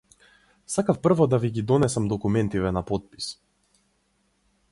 Сакав прво да ви ги донесам документиве на потпис.